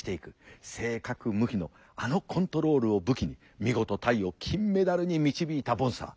正確無比のあのコントロールを武器に見事タイを金メダルに導いたボンサー。